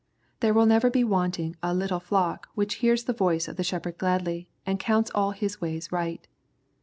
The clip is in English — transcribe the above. There will never be wanting a " little flock" which hears the voice of the Shepherd gladly, and counts all His ways right.